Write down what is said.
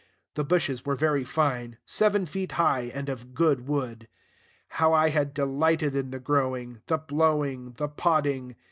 The bushes were very fine, seven feet high, and of good wood. How I had delighted in the growing, the blowing, the podding!